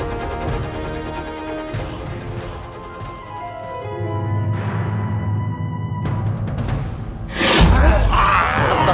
tidak ada kesalahan